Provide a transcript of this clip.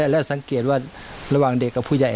แล้วสังเกตว่าระหว่างเด็กกับผู้ใหญ่